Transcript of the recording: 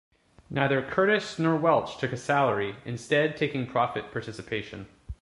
Neither Curtis nor Welch took a salary, instead taking profit participation.